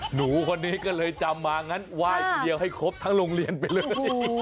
หนูคนนี้ก็เลยจำมางั้นไหว้คนเดียวให้ครบทั้งโรงเรียนไปเลย